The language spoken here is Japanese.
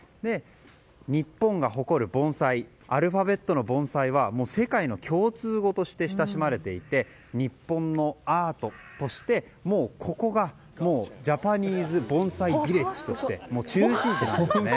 日本が誇る盆栽アルファベットのＢＯＮＳＡＩは世界の共通語として親しまれていて日本のアートとして、ここがジャパニーズ盆栽ビレッジとして中心部なんですね。